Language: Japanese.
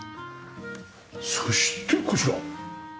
そしてこちら。